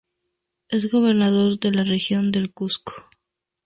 Es gobernador de la región del Cuzco.